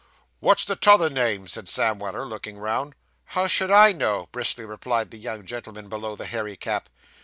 'What's the t'other name?' said Sam Weller, looking round. 'How should I know?' briskly replied the young gentleman below the hairy cap.